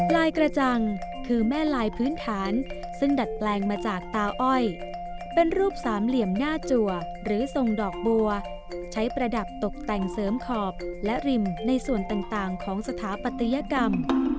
ลายกระจังคือแม่ลายพื้นฐานซึ่งดัดแปลงมาจากตาอ้อยเป็นรูปสามเหลี่ยมหน้าจัวหรือทรงดอกบัวใช้ประดับตกแต่งเสริมขอบและริมในส่วนต่างของสถาปัตยกรรม